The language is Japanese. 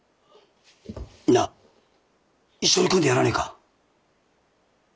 なあ一緒に組んでやらねえか？